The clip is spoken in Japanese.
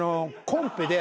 コンペで。